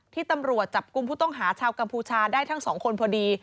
ตำรวจจับกลุ่มผู้ต้องหาชาวกัมพูชาได้ทั้งสองคนพอดี